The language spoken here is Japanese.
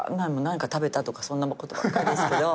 何か食べたとかそんなことばっかりですけど。